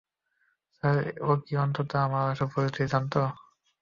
Sir, ও কি অন্তত আপনার আসল পরিচয় জানত?